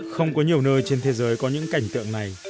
không có nhiều nơi trên thế giới có những cảnh tượng này